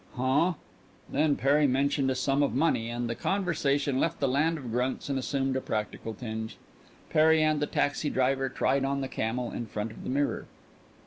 "Huh?" Then Perry mentioned a sum of money, and the conversation left the land of grunts and assumed a practical tinge. Perry and the taxi driver tried on the camel in front of the mirror.